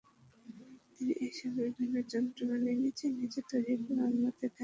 তিনি এ সময় বিভিন্ন যন্ত্রপাতি নিজে নিজে তৈরি করে অন্যদের দেখাতেন।